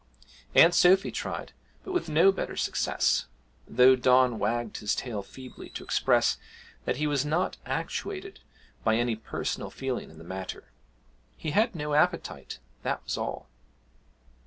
Aunt Sophy tried, but with no better success, though Don wagged his tail feebly to express that he was not actuated by any personal feeling in the matter he had no appetite, that was all.